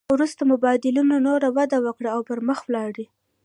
وروسته مبادلو نوره وده وکړه او پرمخ ولاړې